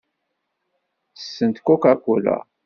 Ttessent Coca-Cola.